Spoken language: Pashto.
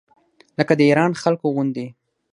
لکه د ایران خلکو غوندې.